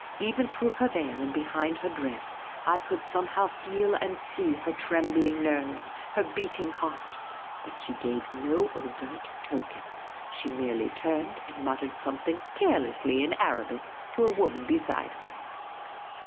Even through her veil and behind her dress, I could somehow feel and see her trembling nerves, her beat ing heart. But she gave no overt token. She merely turned and muttered something carelessly in Arabic to a woman beside her.